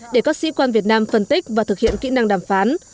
để các sĩ quan việt nam phân tích và thực hiện kỹ năng đàm phán